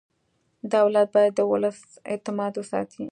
دولت باید د ولس اعتماد وساتي.